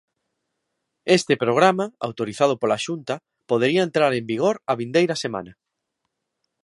Este programa, autorizado pola Xunta, podería entrar en vigor a vindeira semana.